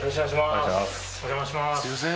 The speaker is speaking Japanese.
「すいません」